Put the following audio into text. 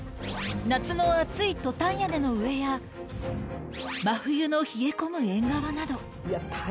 夏の熱いトタン屋根の上や、真冬の冷え込む縁側など。